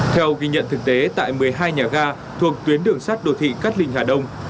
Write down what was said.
theo ghi nhận thực tế tại một mươi hai nhà ga thuộc tuyến đường sắt đô thị cát linh hà đông